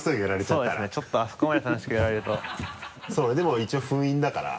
そうだねでも一応封印だから。